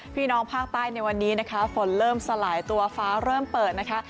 พี่น้องภาคใต้ในวันนี้นะคะฝนเริ่มสลายตัวฟ้าเริ่มเปิดนะคะ